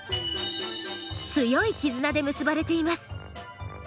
強い絆で結ばれています。